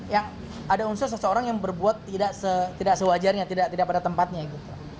yang ada unsur seseorang yang berbuat tidak sewajarnya tidak pada tempatnya gitu